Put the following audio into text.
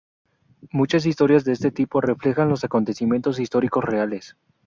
Muchas historias de este tipo reflejan los acontecimientos históricos reales.